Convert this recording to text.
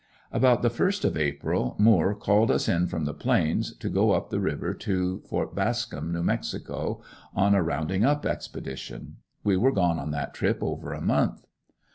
About the first of April, Moore called us in from the Plains to go up the river to Ft. Bascom, New Mexico, on a rounding up expedition. We were gone on that trip over a month.